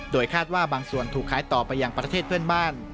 โดยคาดว่าบางส่วนถูกขายต่อไปยังประเทศเพื่อนบ้าน